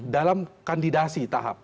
dalam kandidasi tahap